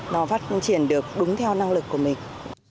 nó phát triển được đúng theo năng lực của mình